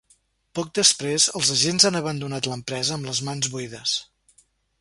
Poc després els agents han abandonat l’empresa amb les mans buides.